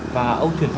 và ông thuyền thọ